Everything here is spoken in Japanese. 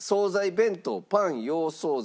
・弁当パン・洋惣菜